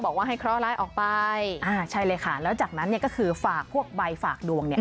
บอกว่าให้เคราะหร้ายออกไปอ่าใช่เลยค่ะแล้วจากนั้นเนี่ยก็คือฝากพวกใบฝากดวงเนี่ย